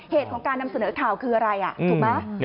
เหตุของการนำเสนอข่าวคืออะไรถูกไหม